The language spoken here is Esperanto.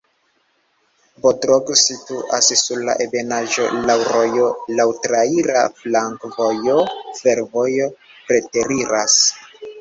Bodrog situas sur ebenaĵo, laŭ rojo, laŭ traira flankovojo, fervojo preteriras.